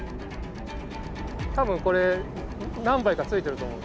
多分これ何杯かついてると思う。